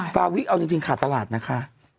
ฟาวิเอาจริงขาดตลาดนะคะ